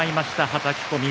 はたき込み。